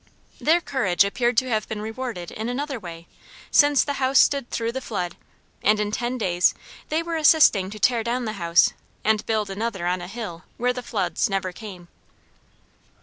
Their courage appeared to have been rewarded in another way, since the house stood through the flood, and in ten days they were assisting to tear down the house and build another on a hill where the floods never came.